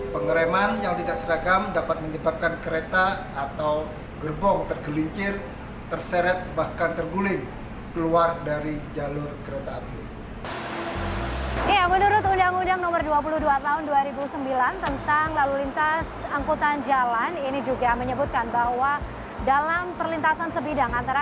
pengereman yang tidak seragam dapat dikonsumsi dengan penggeri udara